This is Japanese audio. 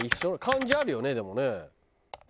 漢字あるよねでもね。